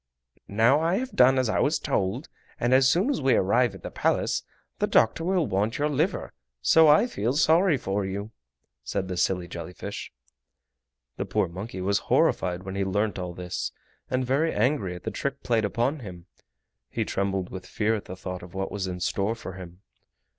"Now I have done as I was told, and as soon as we arrive at the Palace the doctor will want your liver, so I feel sorry for you!" said the silly jelly fish. The poor monkey was horrified when he learnt all this, and very angry at the trick played upon him. He trembled with fear at the thought of what was in store for him.